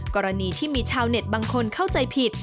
กรณีที่มีชาวเน็ตบางคนเข้าใจผิด